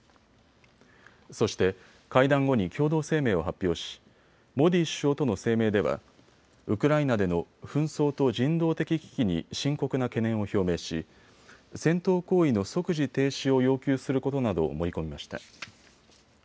そして会談後に共同声明を発表しモディ首相との声明ではウクライナでの紛争と人道的危機に深刻な懸念を表明し戦闘行為の即時停止を要求することなどを盛り込みました。